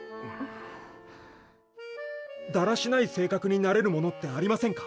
だらしない性格になれるものってありませんか？